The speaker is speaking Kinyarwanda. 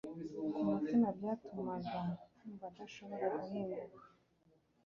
ku mutima byatumaga yumva adashobora guhinguka